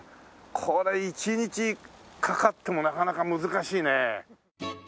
これ一日かかってもなかなか難しいね。